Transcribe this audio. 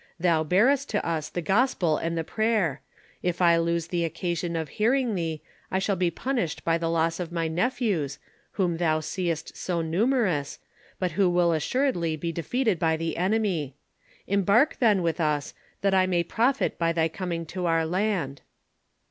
Thou bearest to us the gospel and the prayer : if I lose the occasion of hearing thee, I shall be punished by the loss of my neph ews, whom thou seest so numerous, but who will assuredly be defeated by the enemy. Embark, then, with us, that I may profit by thy coming into our land."